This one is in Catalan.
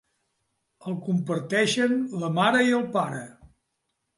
El comparteixen la mare i el pare.